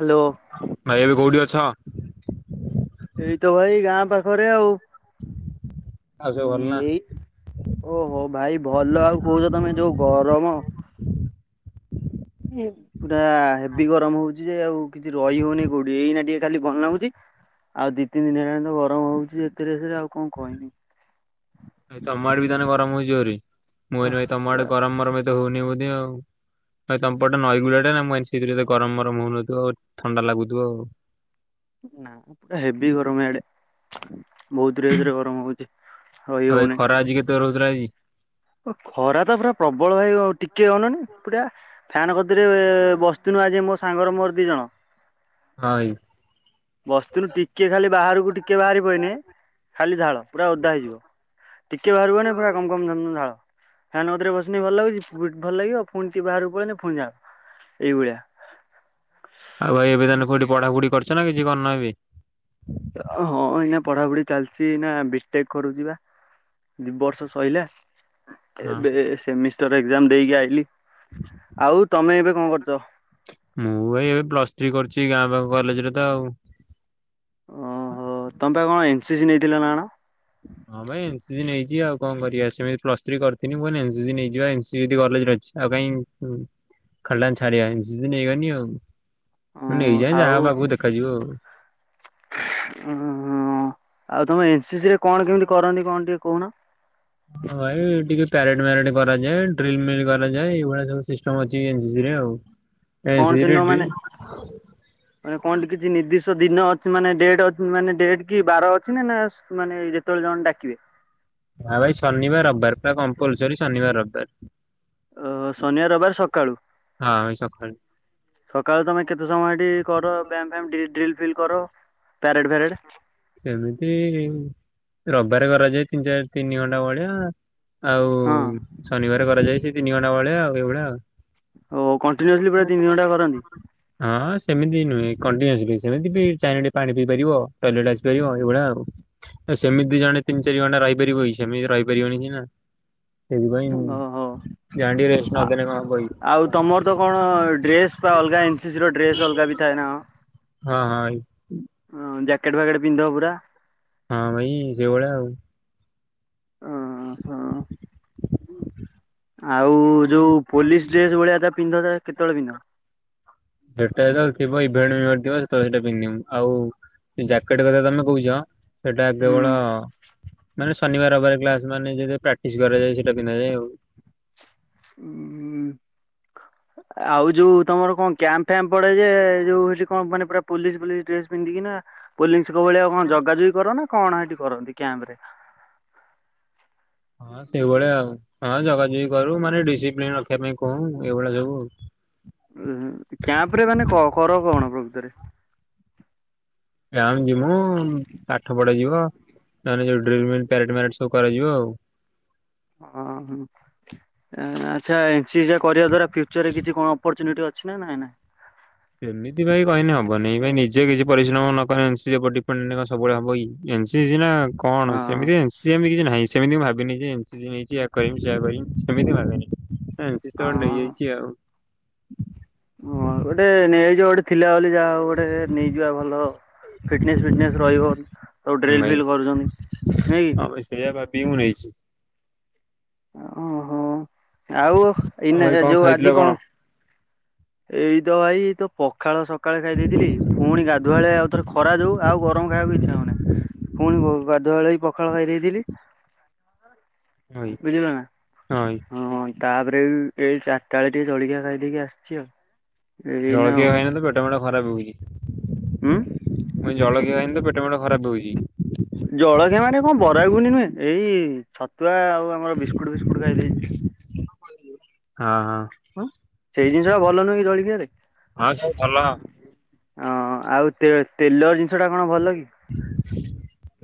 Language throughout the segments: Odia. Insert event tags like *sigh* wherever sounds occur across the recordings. ହ୍ୟାଲୋ ଭାଇ ଏବେ କୋଉଠି ଅଛ। ଏଇ ତ ଭାଇ ଗାଁ ପାଖରେ ଆଉ ଆଉ ସବୁ ଭଲ ନା? ହଁ ଏଇ ଓହୋ ଭାଇ ଭଲ ଆଉ କହୁଛ ତମେ ଯୋଉ ଗରମ ପୁରା ହେଭି ଗରମ ହଉଛି ଯେ ଆଉ କିଛି ରହି ହଉନି କୋଉଠି ଏଇନା ଟିକେ ଖାଲି ଭଲ ଲାଗୁଛି ଆଉ ଦି ତିନି ଦିନ ହେଲାଣି ତ ଗରମ ହଉଛି ଏଥିରେରେ ଆଉ କଣ କହିନି ଏ ତ ଅମମାଡ ବି ତାନେ ଗରମ ହଉଛିିବରି ମୁଇ ଓଃ ନ ତମରେ ପୁରା ଗରମ ଗରମ ତ ହଉ ନି ଆ ହଉ। ନ ତମପଟା ନଈଗୁଡା ମୁଁ ସେଥିରେ ଗରମ ଗରମ ହଉନଥିବ ଆଉ ଥଣ୍ଡା ଲାଗୁଥିବ ଆଉ। ନା ପା ହେବ ଗରମ ଏ ଆଡେ ବହୁତ ରେ ଧରେ ଗରମ ହଉଛି। ରହି ଆଉ ଏଇ ଖରା ଆଜି କେତେ ରହୁଥିଲା ଆଜି ଓ ଖରା ତ ପୁରା ପ୍ରବଳ ହେଇଗ ଟିକେ କନୁନି ପୁରା ଫ୍ୟାନ ବସି ମୋ ସାଙ୍ଗର ମୋର ଦି ଜଣ। ହଁ ଭାଇ। ବସ୍ରୁ ଟିକେ ଖାଲି ବାହାରକୁ ଟିକେ ବାହାରି ପଏନି ଖାଲି ଝାଳ ପୁରା ଓଦା ହେଇଯିବ ଟିକେ ବାହାରି ହନି ପୁରା ଗମ ଗମ ଝାଳ ଫ୍ୟାନ କତିରେ ବସିପଡିଲେ ଭଲ ଲାଗୁଛି ଭଲ ଲାଗିବ ଆଉ ପୁଣି ବାହାରକୁ ପଳେଇଲେ ପୁଣି ଝାଳ ଏଇଭଳିଆ ଆଉ ଭାଇ ଏବେ ତାହେ କୋଉଠି ପଢାଢିଛ ନା କିଛି କି କରିନବ ହଁ ଏଇନା ପଢାପଢି ଚାଲିଛି ନା ବିଟେକ୍ କରୁଛି ବା ଦି ବର୍ଷ ସରିଲା। ହଁ ଏବେ ସେମିଷ୍ଟାର ଏଜାମ ଦେଇକି ଆଇଲିି ଆଉ ତମେ ଏବେ କଣ କରୁଛ। ବିକି କରୁଛି ଗାଁ ପାଖ କଲେଜରେ ତ ଆଉ ଓ ହୋ ତମ ତ କଣ ଏନ୍ସି ସି ନେଇଥିଲ ନା କଣ? ହଁ ଭାଇ ଏସି ସ ନେଇଛି ଆଉ କଣ କରିବା ସେମିତି ପ୍ଲସ ଥ୍ରୀ କରିିହ ଏସି ସ ନେଇଯ ଏଦି କଲେଜରେ ଅଛି ଆଉ କାଇଁ ଖେ ଛାଡିବା ଏସି ନେଇଗନି ଆଉ ହ ନେଇଯାଏ ଯାହା ଆଉ ହବ ଉ ଆଗକୁ ଦେଖାଯିବ ଆଉ। ଆଉ ତମେ ଶିଶିରେ କଣ କେମିତି କରନ୍ତି କଣ ଟିକେ କହୁନ। ହଁ ଭାଇ ଟିକେ ପ୍ୟାରେଡ୍ ମ୍ୟାରେଡ୍ କରାଯାଏ ଡ୍ରିଲ ମିଲ୍ କରାଯାଏ ଏଇଭଳିଆ ସବୁ ସିଷ୍ଟମ ଅଛି। *inaudible* କଣ ସେଦିନ ମାନେ ଆଉ *inaudible* ମାନେ କଣ କିଛି ନିର୍ଦ୍ଦିଷ୍ଟ ଦିନ ଅଛି ମାନେ ଡଟ ମାନେ ଡେଟ କି ବାର ଅଛି ନା ନା ମାନେ ଯେତେବେଳେ ଜଣ ଡାକିବେ। ହ ଭାଇ ଶନିବାର ରବିବାର ପୁରା କମ୍ପଲସରୀ ଶନିବାର ରବିବାର। ଅ ଶନିବ ରବାର ସକାଳୁ। ହଁ ଭାଇ ସକାଳୁ। ସକାଳୁ ତମେ କେତେ ସମୟ ହେଠି କର ବ୍ୟାୟାମ ଫାୟାମ ଡ୍ରିଲ ଫି ଫିଲ୍ କର। ପ୍ୟାରେଡ ଫ୍ୟାରେଡ ସେମିତି ରବିବାର କରାଯାଏ ତିନି ଚାରି ତିନି ଘଣ୍ଣ୍ଡା ଭଳିଆଉ ଆଉ ହଁ ଶନିବାର କରାଯାଇଛି। ତିନିି ଘଣ୍ଟା ଭଳିଆ ଆଉ ଏଳିଆ ଆଉ ଓ କଣ୍ଟିନ୍ୟୁସଲି ପୁରା ତିନି ଘଣ୍ଟା କରନ୍ତି? *inaudible* ହଁ ସେମିତି ନୁହେଁ କଣ୍ଟିନିଅସଲି ସେମତି ବି ଚାରିଣ୍ଟି ପାଣି ହେପାରିବ ପଲେଟ ଆସିପାରିବ ଏଇଭଳିଆ ଆଉ ସେମିତି ଜଣେ ତିନି ଚାରି ଘଣ୍ଟା ରହିପାରିବଇ ସେମିତି ରହିପାରିବନି ସିନା ସେଇଥିପାଇଁ ଓହୋ ଯାହା ଟିକେ ରେଷ୍ଟ ନଦେଲେ କଣ ହବ କି ଆଉ ତମର ତ କଣ ଡ୍ରେସ୍ ବା ଅଲଗା ଏନସିସି ର ଡ୍ରେସ ଅଲଗା ବି ଥାଏ ନାକଣ? ହଁ ହଁ ଭାଇ। ହଁ ଜ୍ୟାକେଟ ଫାକେଟ ପିନ୍ଧିବ ପୁରା। ହଁ ଭାଇ ସେଓଳିଆ ଆଉ ହ ହଁ ଆଉ ଯୋଉ ପୋଲିସ ଡ୍ରେସ ଭଳିଆ ପିନ୍ଧ ତା କେତେବେଳେ ପିନ୍ଧ? ସେଟା ତ ଥିବ ଇଭେଣ୍ଟେଣ୍ଟ ଥିବ ସେଟା ପିନ୍ଧିବୁ ଆଉ ଜ୍ୟାକେଟ କଥା ତମେ କହୁଛ। ସେଟା ହୁଁ। କେବଳ ମାନେ ଶନିବାର ରବିବାର କ୍ଲାସ ମାନେ ଯୋଉଟା ପ୍ରାକ୍ଟିସ କରାଯାଏ ସେଇଟା ପିନ୍ଧାଯାଏ ଆଉ ହୁଁ ଆଉ ଯୋଉ ତମର କଣ କ୍ୟାମ୍ପ କ୍ୟାମ୍ପ ପଡେ ଯେ ଯୋଉ ହଉଛି କଣ ମାନେ ପୁରା ପୋଲିସ ପୋଲିସ ଡ୍ରେସ ପିନ୍ଧିକି ନା ପୋଲିସଙ୍କ ଭଳିଆ କଣ ଜଗାଜଗି କର ନା କଣ ସେଠି କରନ୍ତି କ୍ୟାମ୍ପରେ ହଁ ସେଇଭଳିଆ ଆଉ ହଁ ଜଗାଜଗି କରୁ ମାନେ ଡିସିପ୍ଲିନ ରଖିବା ପାଇଁ କହୁ ଏଇଭଳିଆ ସବୁ ଆଉ। ଉ କ୍ୟାମ୍ପ ରେ ମାନେ କର କଣ ପ୍ରକୃତରେ? କ୍ୟାମ୍ପ ଯିବୁ ମୁଁ ପାଠ ପଢା ଯିବ ନହେଲେ ଯୋଉ ଡ୍ରିଲ୍ ମିଲ୍ ପ୍ୟାରେଡ୍ ମ୍ୟାରେଡ୍ ସବୁ କରାଯିବ ଆଉ। ହଁ ହଁ ଆଚ୍ଛା ଏ ଏନ୍ ସି ସି ଟା କରିବା ଦ୍ଵାରା ଫ୍ୟୁଚରରେ କିଛି କଣ ଅପରଚୁନିଟି ଅଛି ନା ନାଇଁ ନାଇଁ। ସେମିତି ଭାଇ କହିଲେ ହବନି ଭାଇ ନିଜେ କିଛି ପରିଶ୍ରମ ନକଲେ ଏନ୍ ସି ସି ଉପରେ ଡିପେଣ୍ଡେଣ୍ଟ ସବୁବେଳେ ହବ କି? ଏନ୍ ସି ସି ସିନା କଣ ହଁ ସେମିତି ଏନ୍ ସି ଏମିତି କିଛି ନାହିଁ। ସେମିତି ମୁଁ ଭାବିନି ଯେ ଏନ୍ ସି ସି ମିଳିଚି ଏୟା କରିମି ସେୟା କରିବି ସେମିତି ଭାବିନି। ହଁ ଏନ୍ ସି ସି ତ ହଁ। ନେଇଯାଇଛି ଆଉ। ହଁ ଗୋଟେ ନେଇ ଆଇ ଗୋଟେ ଥିଲା ବୋଲି ଆଉ ଗୋଟେ ନେଇଯିବା ଭଲ ଫିଟନେସ ଫିଟନେସ ରହିବ ଆଉ ଡ୍ରିଲ୍ ଭାଇ ଫିଲ କରୁଛନ୍ତି ନୁହେଁ କି। ହଁ ଭାଇ ସେଇଆ ଭାବିକି ମୁଁ ନେଇଛି। ଓହୋ ଆଉ ଆଉ ଏଇନା ଭାଇ କଣ ଯୋଉ ଖାଇଥିଲ ଆଜି କଣ ଏଇତ ଭାଇ ତ ପଖାଳ ସକାଳେ ଖାଇ ଦେଇଥିଲି ଫୁଣି ଗାଧୁଆବେଳେ ଆଉ ଥରେ ଖରା ଯୋଉ ଆଉ ଗରମ ଖାଇବାକୁ ଇଚ୍ଛା ହଉନି ପୁଣି ଗାଧୁଆବେଳେ ବି ପଖାଳ ଖାଇ ଦେଇଥିଲି ଭାଇ ବୁଝିଲ ନା ହଁ। ତାପରେ ଏଇ ଚାରିଟାବେଳେ ଟିକେ ଜଳଖିଆ ଖାଇଦେଇକି ଆସିଛି ଆଉ। ଏଇନା ଆଉ ଜଳଖିଆ ଖାଇନ ତ ପେଟ ଫେଟ ଖରା ବି ହୁଁ ହଉଛି। ମୁଁ ଜଳଖିଆ ଖାଇନି ତ ପେଟ ପେଟ ଫେଟ ଖରାପ ହଉଛି। ଜଳଖିଆ ମାନେ କଣ ବରା ଘୁଗୁନି ନୁହେଁ ଏଇ ଛତୁ ଛୁଆ ଆଉ ଆମର ବିସ୍କୁଟ ଫିସ୍କୁଟ ଖାଇଦେଇଛି। ହଁ ହଁ। ସେଇ ଜିନିଷ ଟା ଭଲ ନୁହେଁ ଜଳଖିଆରେ। ହଁ ସବୁ ଭଲ ହଁ ଆଉ ତେ ତେଲ ଜିନିଷ ଟା କଣ ଭଲ କି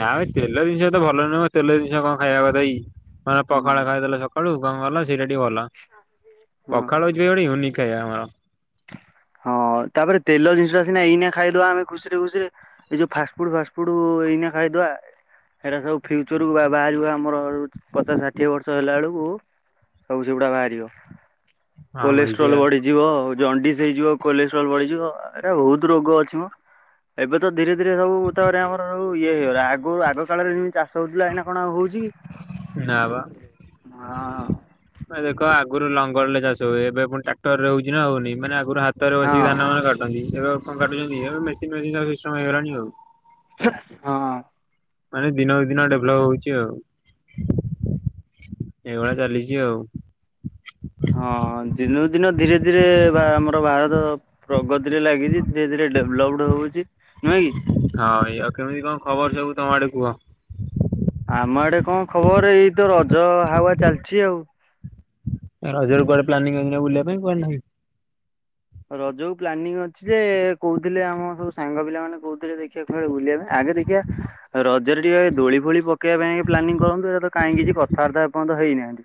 ନାମ ତେଲ ଜିନିଷ ତ ଭଲ ନୁହଁ ତେଲ ଜିନିଷ କଣ ଖାଇବା କଥା କି? ହଁ ହୁଁ ପଖାଳ ଖାଇଦେଲେ ସକ୍ ଆଳୁ *unintelligible* ସେଇଟା ଟିକେ ଭଲ ହଁ ପଖାଳ ହେଉଛି ଉନିକ୍ ଆମର। ହଁ ତାପରେ ତେଲ ଜିନିଷଟା ସିନା ଏଇନା ଖାଇଦବା ଆମେ ଖୁସିରେ ଖୁସିରେ ଏଇ ଯୋଉ ଫାଷ୍ଟଫୁଡ ଫାଷ୍ଟଫୁଡ ଏଇନା ଖାଇଦବା ସେଇଟା ସବୁ ଫ୍ୟୁଚରକୁ ବା ବାହାରିବ ଆମର ପଚାଶ ଷାଠିଏ ବର୍ଷ ହେଲା ବେଳକୁ ସବୁ ସେଗୁଡା ବାହାରିବ କୋଲେଷ୍ଟ୍ରୋଲ ବଢିଯିବ ଆଉ ହେଇଯିବ କୋଲେଷ୍ଟ୍ରୋଲ ବଢିଯିବ ଏ ବହୁତ ରୋଗ ଅଛି ମ ଏବେ ତ ଧୀରେ ଧୀରେ ସବୁ ତାପରେ ଆମର ଇଏ ହେଇଗଲା ଆଗ ଆଗ କାଳରେ ଯେମିତି ଚାଷ ହଉଥିଲା ଏଇନା କଣ ଆଉ ହଉଛି କି? ନାଁ ବା ହଁ ଦେଖ ଆଗ ଆଗରୁ ଲଙ୍ଗଳରେ ଚାଷ ହୁଏ ଏବେୁପୁଣି ଟ୍ରାକ୍ଟରରେ ହଉଛି ନାହଉନି ମାନେ- ପୁର ହାତରେ ବସିକି ହଁ। ଧାନଫାନ କାଟନ୍ତି ଏବେ ଆଉ କଣ କାଟୁଛନ୍ତି। ମେସିନେସିଇଷ୍ଟଉ ହଁ। ମାନେ ଦିନକୁ ଦିନ ଡେଭଲପ ହଉଛି ଆଉ ଏଇଭଳିଆ ଚାଲିଛି ଆଉ ହଁ ଦିନକୁ ଦିନ ଧୀରେ ଧୀରେ ବା ଆମର ଭାରତ ପ୍ରଗତିରେ ଲାଗିଛି ଧୀରେ ଧୀରେ ଡେଭଲପଡ ହଉଛି। ନୁହେଁ କି? ହଁ ଏଇ ଆଉ କେମିତି କଣ ଖବର ସବୁ। ତମଆଡେ କୁହ? ଆମ ଆଡେ କଣ ଖବର ଏଇ ତର ଜ ହାୱା ଚାଲିଛି ଆଉ। ରଜରେ କୁଆଡେ ପ୍ଲାନିଂଅଛି ନା ବୁଲିବା ପାଇଁ କୁଆଡ ନାହିଁ। ରଜକୁ ପ୍ଲାନିଂ ଅଛି ଯେ କୋଉଥିଲେ ଆମ ସବୁ ସାଙ୍ଗ ପିଲା ମାନେ କୋଉଥିଲେ ଦେଖିବାକୁ ସେତେବେଳେ ବୁଲିବା ପାଇଁ ଆଗେ ଦେଖିବା ରଜରେ ଟିକେ ଦୋଳି ଫୋଳି ପକେଇବା ପାଇଁ ପ୍ଲାନିଂ କରନ୍ତେ କାଇଁ କିଛି କଥାବାର୍ତ୍ତା ଏ ପର୍ଯ୍ୟନ୍ତ ହେଇନାହାନ୍ତି।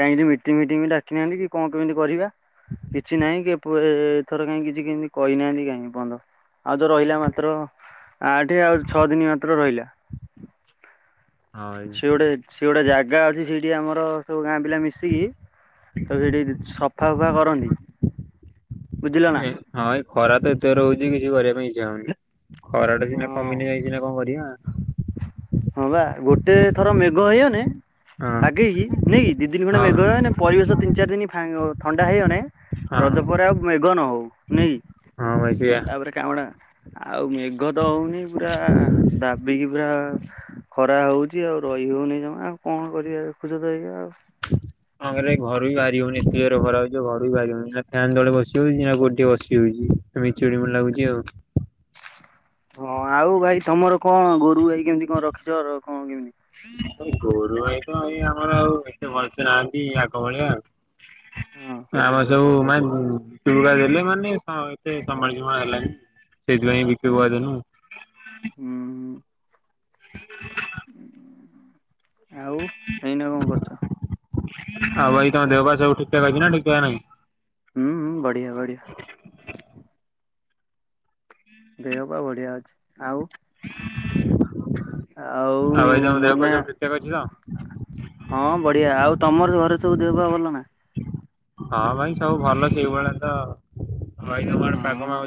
କାଇଁ କିଛି ମିଟିଂ ଫିଟିଂ ବି ଡାକିନାହାନ୍ତି କି କଣ କେମିତି କରିବା କି ଛି ନାହିଁ ପୁଳେ ଏଥର କାଇଁ କଣ କହି ନାହାନ୍ତି କାଇଁ ଏପଯ୍ୟନ୍ତ ଆଉ ତ ରହିଲା ମାତ୍ର ଅଠେ ଆଉ ଛଅ ଦିନ୍ ମାତ୍ର ରହିଲା। ହଁ *unintelligible* ସେ ଗୋଟେ ସେ ଗୋଟେ ଜାଗା ଅଛି ସେଇ କିଏ ଆମର ସବୁ ଗାଁ ପିଲା ମିଶିକି ତ ସେଇଟି ସଫା ଫୁଫା କରନ୍ତି। ହଁ ବୁଝିଲ ନା ଏ ହାଇ ଖରା ତ ଏତେ ରହୁଛି କିଛି କରିବା ପାଇଁ ଇଚ୍ଛା ହଉନି। ଖରାଟା ସିନା ହଁ କମିନେ ଯାଇ ସିନା କଣ କରିବା। ତେ ଥର ମେଘ ହେଇଗନେ ହଁ ଭାଇ ଆଗେଇ ନେଇକି ଦି ଦିନ ଖଣ୍ଡେ ହଁ ମେଘ ହେଇଗନେ ପରିବେଶ- ତିନ ଚାରି ଦିନି ଫାଗ ଥଣ୍ଡା ହେଇଗନେ- ରଜ ହଁ ପରେ ଆଉ- ମେଘ ନ ହଉ ନାଇ- ହଁ ଭାଇ ସେଇଆ ତାପରେ କାମଟା ଆଉ ମେଘ ତ ହଉନି ପୁରା ଦାବିକି ପୁରା- ଖରା ହଉଛି ଆଉ ରହି ହଉନି ଜମା ଆଉ କଣ କରିବା ଦେଖୁଛତ ଏଇଆ ଆଉ- ଆରେ ଘରୁ ବି ବାହାରି ହଉନି ଏତେ ଜୋରରେ ଖରା ହଉଛି ଘରୁ ବି ବାହାରି ହଉନି ନା ଫ୍ୟାନ୍ ତଳେ ବସି ହଉଛି ନା ଗୋଠେ ବସି ହଉଛି ଏମି ଚୁଡି ଫୁଡ଼ି ଲାଗୁଛି ଆଉ- ହଁ ଆଉ ଭାଇ ତମର- କଣ ଗୋରୁ ଗାଈ କେମତି କଣ ରଖିଛ କଣ କେମିତି? ଆ ଭାଇ ତ ଏଇ ଆମର ଆଉ ଏତେ ଭଲସେ ନାହାନ୍ତି ଆଗ ଭଳିଆ ହଁ ଆଉ- ଆମ ସବୁ- ନାଇଁ ମୁଁ ଚୁଡ଼ା ଦେଲି ମାନେ ହଁ ଏତେ ସମୟ ସୀମା ହେଲାଣି ସେଥିପାଇଁ ବିକ୍ରି ଉଁ କରିଦେଲୁ ଆଉ। ହୁଁ ଆଉ ଏଇନା କଣ କରୁଛ? ଆଉ ଭାଇ ତମ ଦେହ ପା ସବୁ ଠିକ୍ ଠାକ୍ ଅଛି ନା ଠିକ୍ ଠାକ୍ ନାଇଁ? ହୁଁ ବଢିଆ ବଢିଆ। ବହପ ବଢିଆ ଅଛି ଆଉ। ଭାଇ ତମ ଆଉ ଦେହ ପା ନନା ସବୁ ଠିକ୍ ଠାକ୍ ଅଛି ତ? ହଁ ବଢିଆ ଆଉ ତମର ଘରେ ସବୁ ଦେହ ଭଲ ନା? ହଁ ଭାଇ ସବୁ ଭଲ ସେଇଭଳିଆ ତ? ହଁ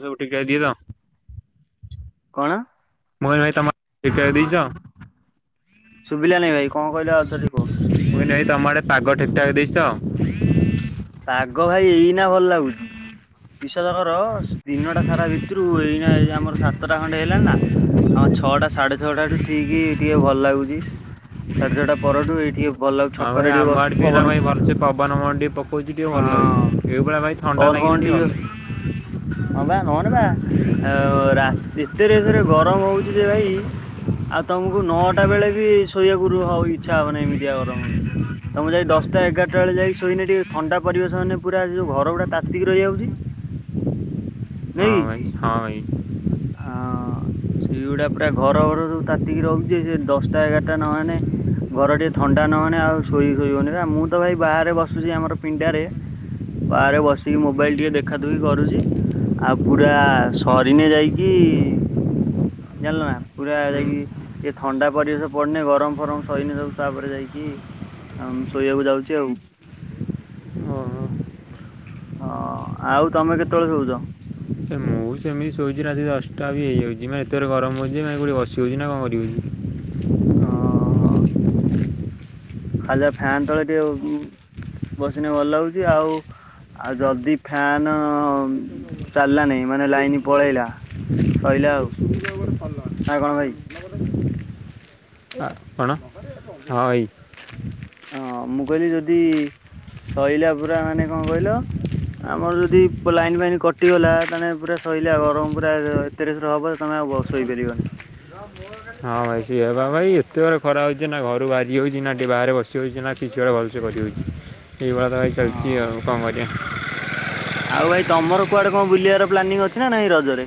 *unintelligible* କଣ? ମୋହନ ଭାଇ ତମର *unintelligible* ଦେଇଛ? ଶୁଭିଲା ନାଇଁ ଭାଇ କଣ କହିଲା ଆଉ ଥରେ କୁହ। ମୁଁ କହିଲି ଭାଇ ତମ ଆଡ଼େ ପାଗ ଠିକ୍ ଠାକ୍ ଦେଇଛି ତ? ପାଗ ଭାଇ ଏଇନା ଭଲ ଲାଗୁଛି। *unintelligible* ର ଦିନଟା ସାରା ଭିତରୁ ଏଇନା ଏଇ ଆମର ସାତଟା ଖଣ୍ଡେ ହେଲାଣି ନା ଆ ଛଅଟା ସାଢେ ଛଅଟାରୁ ଠିକ ଟିକେ ଭଲ ଲାଗୁଚି ସାଢେ ଛଅଟା ପରଠୁ ଏଇଟି ଆଉ ଭାଇ ଆମ ଆଡ଼େ ବି ଭ ବର୍ଷେ ପବନ ଫବନ ଟିକେ ପକଉଛି ଟିକେ ଭଲ ଲାଗୁଛି ହଁ ଏଇଭଳିଆ ଭାଇ ଥଣ୍ଡା ଫୋନ ଲାଗିଲେ ଫୋନ ଭଲ ଟିକେ ଲାଗେ ହଁ ବା ନହେଲେ ବା ଅ ରା ଏତେ ରେଟ୍ ରେ ଗରମ ହଉଛି ଯେ ଭାଇ ଆଉ ତମକୁ ନଅଟା ବେଳେ ବି ଶୋଇବାକୁ ହ ଇଚ୍ଛା ହବନି ଏମିତିଆ ଗରମ ହଉଛି ତମେ ଯାଇ ଦଶଟା ଏଗାରଟା ବେଳେ ଯାଇକି ଶୋଇନ ଟିକେ ଥଣ୍ଡା ପରିବେଶ ମାନେ ପୁରା ଯୋଉ ଘର ଗୁଡା ତାତିକି ରହିଯାଉଚି ହଁ ଭାଇ। ଅଁ ସେଇଗୁଡା ପୁରା ଘର ଫର ସବୁ ତାତିକି ରହୁଚି ଦଶଟା ଏଗାରଟା ନହେନେ ଘର ଟିକେ ଥଣ୍ଡା ନହେନେ ଆଉ ଶୋଇ ଶୋଇ ହଉନି ନା ମୁଁ ତ ଭାଇ ବାହାରେ ବସୁଛି ଆମର ପିଣ୍ଡାରେ ବାହାରେ ବସିକି ମୋବାଇଲ ଟିକେ ଦେଖାଦୁଖି କରୁଚି ଆଉ ପୁରା ସରିନେ ଯାଇକି ଜାଣିଲ ନା ପୁରା ଯାଇକି ହୁଁ ଏ ଥଣ୍ଡା ପରିବେଶ ପଡନି ଗରମ ଫରମ ସରିନେ ସବୁ ତାପରେ ଯାଇକି ଅଁ ଶୋଇଆକୁ ଯାଉଚି ଆଉ? ଓହୋ ହଁ ଆଉ ତମେ କେତେବେଳେ ଶୋଉଚ? ଏ ମୁଁ ସେମିତି ଶୋଉଚି ରାତି ଦଶଟା ବି ହେଇଯାଉଚି ମାନେ ଏତେ ଜୋରେ ଗରମ ହଉଚି ଯେ ମାନେ କୋଉଠି ବସି ହଉଚି ନା କଣ କରି ହଉଚି। ହଁ। ଖୋଲା ଫ୍ୟାନ ତଳେ ଟିକେ ଉଁ ବସିନେ ଭଲ ଲାଗୁଚି ଆଉ ଆଉ ଯଦି ଫ୍ୟାନ ଚାଲିଲାନାଇଁ ମାନେ ଲାଇନ ପଳେଇଲା ସଇଲା ଆଉ ନା କଣ ଭାଇ? ଆ କଣ ହଁ ଭାଇ। ହଁ ମୁଁ କହିଲି ଯଦି ସଇଲା ପୁରା ମାନେ କଣ କହିଲ ଆମର ଯଦି ଲାଇନ ଫାଇନ କଟିଗଲା ତାନେ ପୁରା ସଇଲା ଆଉ ଗରମ ପୁରା ଏତେ ରେଶରେ ହବ ଯେ ତମେ ଆଉ ବ ଶୋଇପାରିବନି। ହଁ ଭାଇ ସେୟା ବା ଭାଇ ଏତେ ଜୋରେ ଖରା ହଉଛି ନା ଘରୁ ବାହାରି ହଉଛି ନା ଟିକେ ବାହାରେ ବସି ସି ହଉଚି ନା କିଛି ଗୋଟେ ଭଲସେ କରିହଉଚି। ଏଇଭଳିଆ ତ ଭାଇ ଚାଲିଚି ହଁ ଆଉ କଣ କରିଆ। ଆଉ ଭାଇ ତମର କୁଆଡେ କଣ ବୁଲିଆର ପ୍ଲାନିଂ ଅଛି ନା ନାଇଁ ରଜରେ?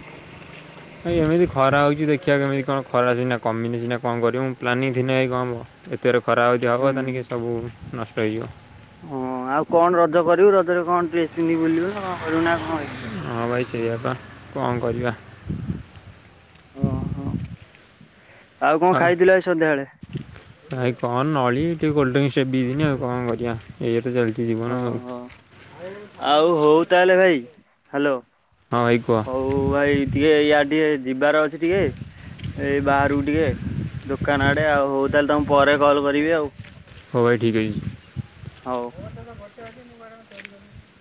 ଭାଇ ଏମିତି ଖରା ହଉଛି ଦେଖିଆ କେମିତି କଣ ଖରା ସିନା କମିନେ ସିନା କଣ କରିବୁ ପ୍ଲାନିଂ ଥିନେ ଭାଇ କଣ ହବ ଏତେର ଖରା ହଉଛି ହବ ହୁଁ। ତାନିକି ସବୁ ନଷ୍ଟ ହେଇଯିବ। ହଁ ଆଉ କଣ ରଜ କରିବୁ ରଜରେ କଣ ଡ୍ରେସ୍ ପିନ୍ଧି ବୁଲିବୁ କଣ କରୁ ନା କଣ ହଁ ଭାଇ ସେଇଆ ବା କଣ କରିବା? ଓହୋ ଆଉ କଣ ଖାଇଥିଲ ଆଜି ସନ୍ଧ୍ୟାବେଳେ? ଭାଇ କ'ଣ ନଳି ଟିକେ କୋଲଡ୍ରିଙ୍କସ୍ ସେପ ପିଇଥିନି ଆଉ କଁ କରିଆ ଏ ଓହୋ ଆଉ ହଉ ତାହେଲେ ଭାଇ ହାଲୋ। ଭାଇ କୁହ ହଉ ଭାଇ ଟିକେ ୟା ଟିକେ ଯିବାର ଅଛି ଟିକେ ଏଇ ବାହାରକୁ ଟିକେ ଦୋକାନ ଆଡେ ଆଉ ହଉ ତାହେଲେ ତମ ପରେ କଲ୍ କରିବି ଆଉ। ହଉ ଭାଇ ଠିକ ଅଛି। ହଉ। *unintelligible* *unintelligible*